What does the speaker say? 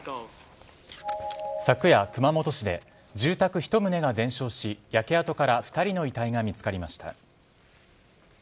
昨夜、熊本市で住宅１棟が全焼し焼け跡から２人の遺体が見つかりました。